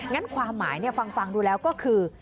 ความหมายฟังดูแล้วก็คือ